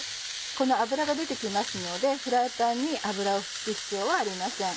この脂が出て来ますのでフライパンに油を引く必要はありません。